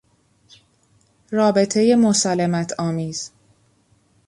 رابطهی مسالمتآمیز